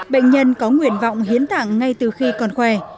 bệnh nhân có nguyện vọng hiến tặng ngay từ khi còn khỏe